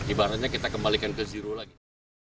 ibaratnya kita kembalikan ke zero lagi